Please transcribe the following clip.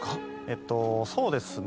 えっとそうですね。